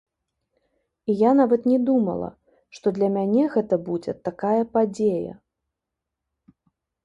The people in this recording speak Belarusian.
І я нават не думала, што для мяне гэта будзе такая падзея!